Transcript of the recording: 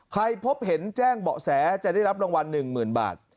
ใครพบเห็นแจ้งเบาะแสจะได้รับรางวัลหนึ่งหมื่นบาท